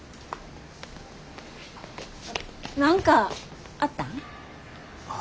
何かあったん？